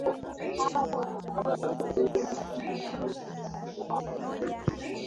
Ninatumaini